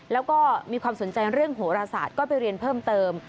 แล้วก็มีความสนใจเรื่องโหรศาสตร์ก็ไปเรียนเพิ่มเติม